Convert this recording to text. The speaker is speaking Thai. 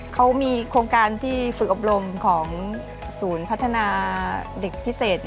เขามีโครงการที่ฝึกอบรมของศูนย์พัฒนาเด็กพิเศษ